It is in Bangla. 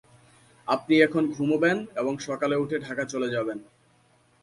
আপনি এখন ঘুমুবেন এবং সকালে উঠে ঢাকা চলে যাবেন।